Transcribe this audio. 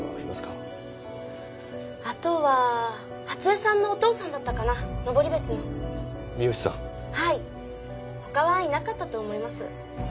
あとは初枝さんのお父さんだったかな登別の三好さんはいほかはいなかったと思います